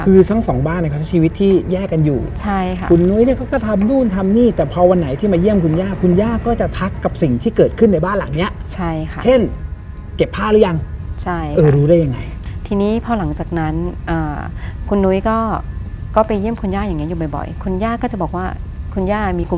คือทั้งสองบ้านเนี่ยเขาใช้ชีวิตที่แยกกันอยู่ใช่ค่ะคุณนุ้ยเนี่ยเขาก็ทำนู่นทำนี่แต่พอวันไหนที่มาเยี่ยมคุณย่าคุณย่าก็จะทักกับสิ่งที่เกิดขึ้นในบ้านหลังเนี้ยใช่ค่ะเช่นเก็บผ้าหรือยังใช่เออรู้ได้ยังไงทีนี้พอหลังจากนั้นอ่าคุณนุ้ยก็ก็ไปเยี่ยมคุณย่าอย่างเงี้อยู่บ่อยคุณย่าก็จะบอกว่าคุณย่ามีก